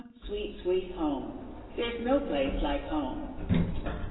sweet, sweet home! There 's no place like home!